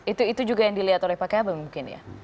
itu juga yang dilihat oleh pak kabel mungkin ya